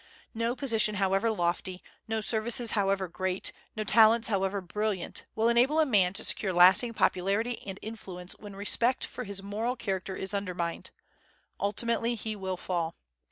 No position however lofty, no services however great, no talents however brilliant, will enable a man to secure lasting popularity and influence when respect for his moral character is undermined; ultimately he will fall.